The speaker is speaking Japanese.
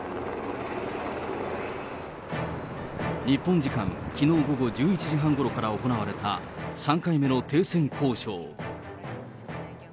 日本時間きのう午後１１時半ごろから行われた３回目の停戦交渉。